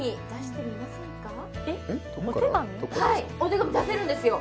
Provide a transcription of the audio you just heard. お手紙出せるんですよ